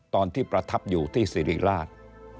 ตอนที่ประทับอยู่ที่สิริราช